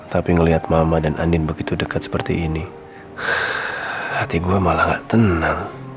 tapi ngelihat mama dan andin begitu dekat seperti ini hati gue malah gak tenang